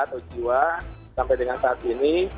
tidak ada jiwa sampai dengan saat ini